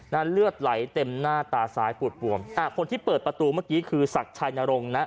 เลือดไหลเต็มหน้าตาซ้ายปูดปวมอ่าคนที่เปิดประตูเมื่อกี้คือศักดิ์ชัยนรงค์นะ